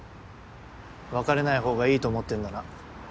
別れない方がいいと思ってんだな。